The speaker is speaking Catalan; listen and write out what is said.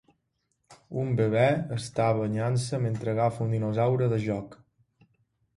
Un bebè està banyant-se mentre agafa un dinosaure de joc.